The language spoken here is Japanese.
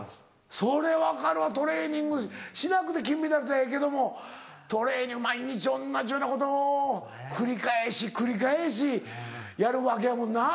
それ分かるわトレーニングしなくて金メダルやったらええけどもトレーニング毎日同じようなことを繰り返し繰り返しやるわけやもんな。